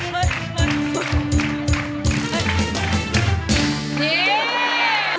ตายมาก